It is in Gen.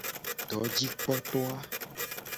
Dojikpoto a.